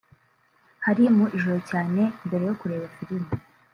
hari mu ijoro cyane mbere yo kureba filime